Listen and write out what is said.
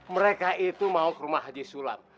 mereka itu mau ke rumah haji sulam